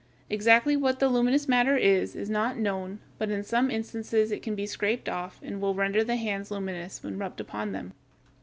Exactly what the luminous matter is, is not known, but in some instances it can be scraped off and will render the hands luminous when rubbed upon them.